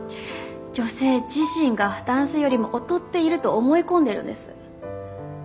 女性自身が男性よりも劣っていると思い込んでいるんです。